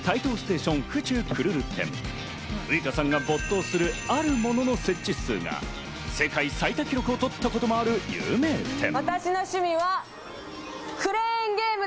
実は、このタイトーステーション府中くるる店、ウイカさんが没頭する、あるものの設置数が世界最多記録を取ったこともある有名店。